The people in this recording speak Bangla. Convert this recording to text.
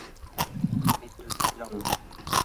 বিদ্যুৎ ছিল না।